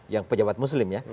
yang pejabat muslim ya